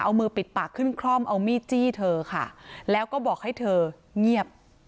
เอามือปิดปากขึ้นคล่อมเอามีดจี้เธอค่ะแล้วก็บอกให้เธอเงียบ